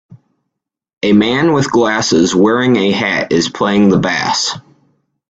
A man with glasses wearing a hat is playing the bass.